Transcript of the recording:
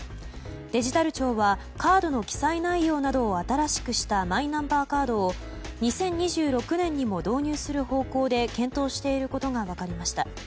デジタル庁ははカードなどの記載内容などを新しくしたマイナンバーカードを２０２６年にも導入する方向で検討していることが分かりました。